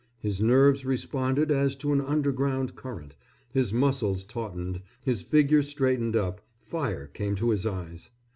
His nerves responded as to an underground current, his muscles tautened, his figure straightened up, fire came to his eyes.